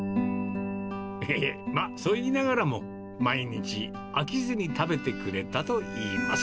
まあ、そう言いながらも、毎日飽きずに食べてくれたといいます。